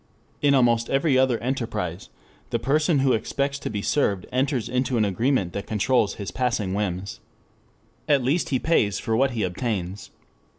In almost every other enterprise the person who expects to be served enters into an agreement that controls his passing whims. At least he pays for what he obtains.